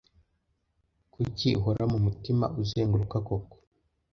Kuki uhora mumutima uzenguruka koko